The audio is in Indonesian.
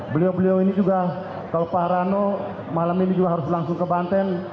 beliau beliau ini juga kalau pak rano malam ini juga harus langsung ke banten